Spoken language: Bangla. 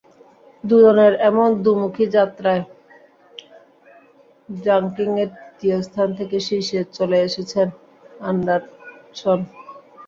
দুজনের এমন দুমুখী যাত্রায় র্যাঙ্কিংয়ের তৃতীয় স্থান থেকে শীর্ষে চলে এসেছেন অ্যান্ডারসন।